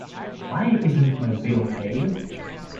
Why isn't my bill paid?